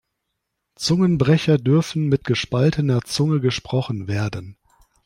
Zungenbrecher dürfen mit gespaltener Zunge gesprochen werden.